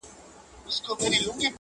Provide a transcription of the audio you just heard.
په اوله کي ترخه وروسته خواږه وي،